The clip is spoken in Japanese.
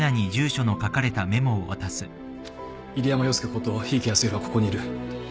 入山陽介こと檜池泰弘はここにいる。